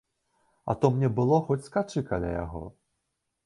А то мне было хоць скачы каля яго.